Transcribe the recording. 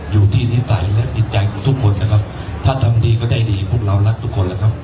อยู่ที่นิสัยและดิจัยของทุกคนนะครับถ้าทำดีก็ได้ดีพวกเรารักทุกคนนะครับ